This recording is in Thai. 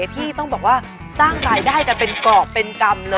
พี่ต้องบอกว่าสร้างรายได้กันเป็นกรอบเป็นกรรมเลย